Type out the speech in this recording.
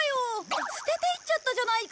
捨てていっちゃったじゃないか！